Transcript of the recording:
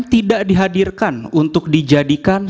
tidak dihadirkan untuk dijadikan